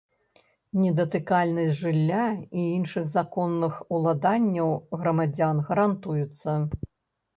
Недатыкальнасць жылля і іншых законных уладанняў грамадзян гарантуецца.